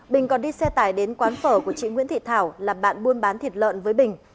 bình còn đi xe tải đến quán phở của chị nguyễn thị thảo làm bạn buôn bán thịt lợn với bình